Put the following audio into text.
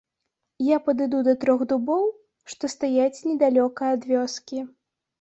Я падыду да трох дубоў, што стаяць недалёка ад вёскі.